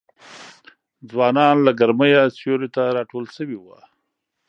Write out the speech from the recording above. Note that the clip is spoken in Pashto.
ځوانان له ګرمیه سیوري ته راټول سوي وه